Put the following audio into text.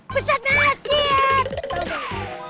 peset nasi ya